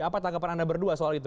apa tanggapan anda berdua soal itu